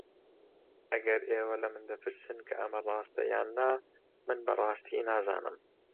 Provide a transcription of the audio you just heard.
ئەگەر ئێوە لە من دەپرسن کە ئەمە ڕاستە یان نا، من بەڕاستی نازانم.